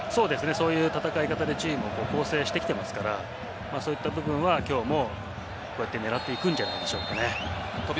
そういう戦い方でチームを構成してきてますからそういった部分は今日もこうやって狙っていくんじゃない